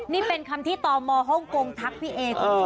นี่เป็นคำที่ตอบมอร์ฮ่องกงทักพี่เอคุณผู้ชม